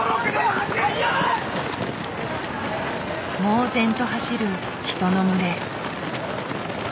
猛然と走る人の群れ。